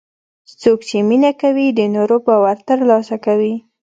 څوک چې مینه کوي، د نورو باور ترلاسه کوي.